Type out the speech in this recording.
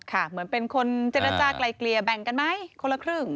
เหมือนเป็นคนเจรจากลายเกลี่ยแบ่งกันไหมคนละครึ่ง